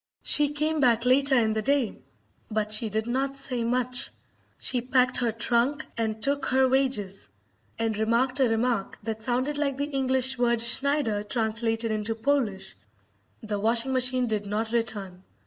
She came back later in the day, but she did not say much. She packed her trunk and took her wages, and remarked a remark that sounded like the English word Schneider translated into Polish. The washing machine did not return.